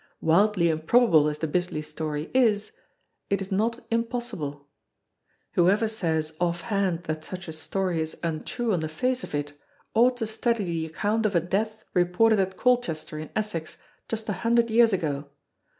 Wildly improbable as the Bisley story is, it is not impossible. Whoever says, offhand, that such a story is untrue on the face of it ought to study the account of a death reported at Colchester in Essex just a hundred years ago.